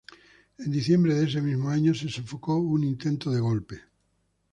En diciembre de ese mismo año se sofocó un intento de golpe.